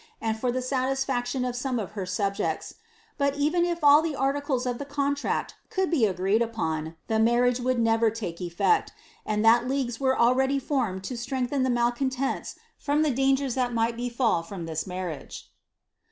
and for the satisfaction of some of her subjects; but even if all the articles of the contract could be agreed upon, the marriage would never take eflecl, and that leagues were already formed to sirengiheii the malcontents from the dangers that might befal from this marriage.""